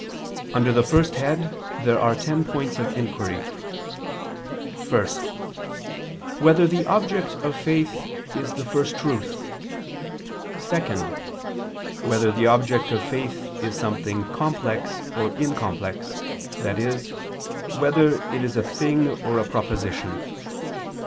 Under the first head there are ten points of inquiry: (1) Whether the object of faith is the First Truth? (2) Whether the object of faith is something complex or incomplex, i.e. whether it is a thing or a proposition?